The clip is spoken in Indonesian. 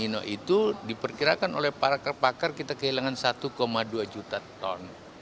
keper el nino itu diperkirakan oleh para kepaker kita kehilangan satu dua juta ton